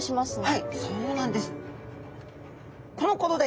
はいそうなんです。